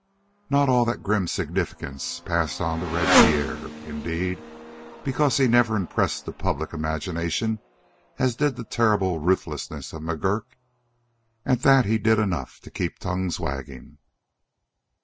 Not all that grim significance passed on to Red Pierre, indeed, because he never impressed the public imagination as did the terrible ruthlessness of McGurk. At that he did enough to keep tongues wagging.